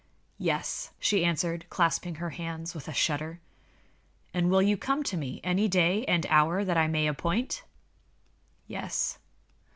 "Yes," she answered, clasping her hands with a shudder. "And you will come to me any day and hour that I may appoint?" "Yes."